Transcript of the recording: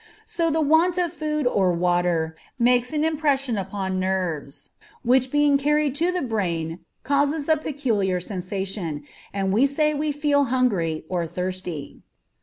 So the want of food or water makes an impression upon nerves, which being carried to the brain causes a peculiar sensation, and we say we feel hungry or thirsty.